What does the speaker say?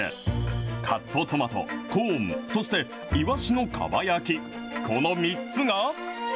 カットトマト、コーン、そしていわしのかば焼き、この３つが。